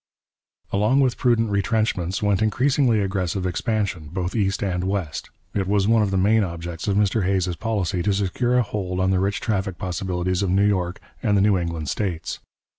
Along with prudent retrenchments went increasingly aggressive expansion, both east and west. It was one of the main objects of Mr Hays's policy to secure a hold on the rich traffic possibilities of New York and the New England states.